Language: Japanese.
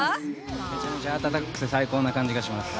めちゃめちゃ温かくて最高な感じがします。